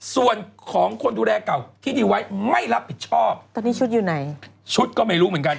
ส่วนของคนดูแลเก่าที่ดีไว้ไม่รับผิดชอบตอนนี้ชุดอยู่ไหนชุดก็ไม่รู้เหมือนกัน